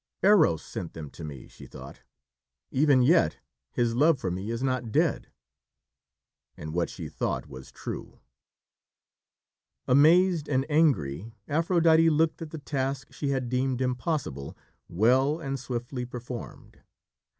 "Eros sent them to me:" she thought. "Even yet his love for me is not dead." And what she thought was true. Amazed and angry, Aphrodite looked at the task she had deemed impossible, well and swiftly performed.